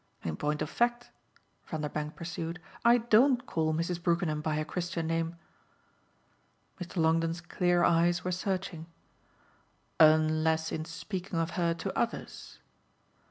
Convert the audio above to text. In point of fact," Vanderbank pursued, "I DON'T call Mrs. Brookenham by her Christian name." Mr. Longdon's clear eyes were searching. "Unless in speaking of her to others?"